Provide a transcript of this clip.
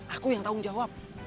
aku yang tanggung jawab